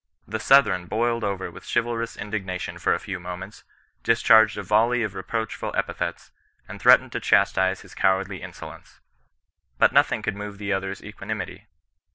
The Southron boiled over with chivalrous indignation for a few moments, discharged a volley of reproachful epithets, and threatened to chastise his cow ardly insolence. But nothing could move the other's equanimity.